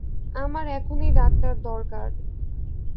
আমার এখনই ডাক্তার দরকার।